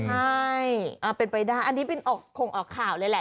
ใช่เป็นไปได้อันนี้คงออกข่าวเลยแหละ